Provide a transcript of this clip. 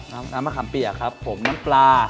น้ำมะขามเปียกครับผมน้ำปลา